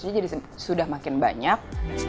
peminatnya tentu saja sudah makin banyak